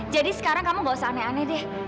jadi sekarang kamu nggak usah aneh aneh deh